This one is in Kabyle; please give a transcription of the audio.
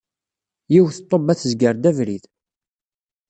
Yiwet n ṭṭubba tezger-d abrid.